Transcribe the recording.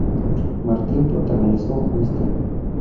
Martin protagonizó "Mr.